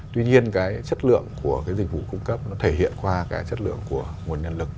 tuy nhiên cái chất lượng của cái dịch vụ cung cấp nó thể hiện qua cái chất lượng của nguồn nhân lực